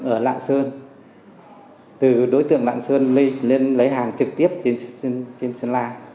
ở lạng sơn từ đối tượng lạng sơn lên lấy hàng trực tiếp trên sân la